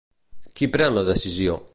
Qui pren la decisió?